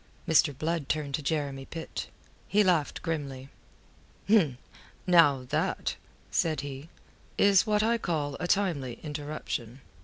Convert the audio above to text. Mr. Blood turned to Jeremy Pitt. He laughed grimly. "Now that," said he, "is what I call a timely interruption.